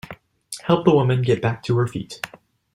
Help the woman get back to her feet.